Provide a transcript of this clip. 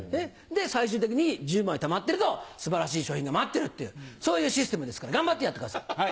最終的に１０枚たまってると素晴らしい商品が待ってるというそういうシステムですから頑張ってやってください